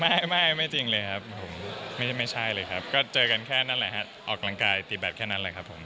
ไม่ไม่จริงเลยครับผมไม่ใช่เลยครับก็เจอกันแค่นั้นแหละฮะออกกำลังกายตีแบบแค่นั้นแหละครับผม